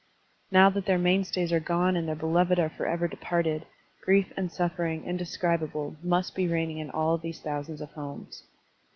Now that their mainstays are gone and their beloved are forever departed, grief and suffering inde scribable must be reigning in all these thousands of homes.